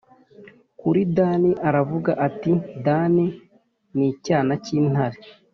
Kuri Dani aravuga ati Dani ni icyana cy intare